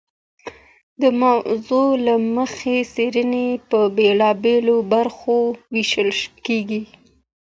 د موضوع له مخي څېړني په بیلابیلو برخو ویشل کیږي.